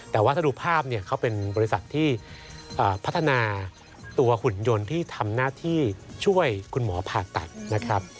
แต่ว่าถ้าดูภาพเนี่ยเขาเป็นบริษัทที่พัฒนาตัวหุ่นยนต์ที่ทำหน้าที่ช่วยคุณหมอผ่าตัดนะครับ